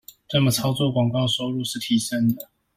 這麼操作廣告收入是提升的